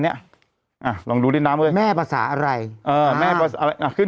เนี้ยอะอ่าลองดูเรียนน้ํ้เอ้ยแม่ภาษาอะไรเออแม่แบบอะไรอะขึ้น